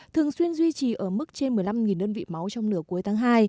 thường xuyên duy trì ở mức trên một mươi năm đơn vị máu trong nửa cuối tháng hai